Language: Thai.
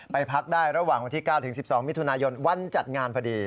พักได้ระหว่างวันที่๙ถึง๑๒มิถุนายนวันจัดงานพอดี